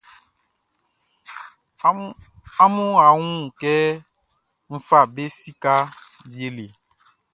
Amun a wun kɛ n fa be sikaʼn wie le?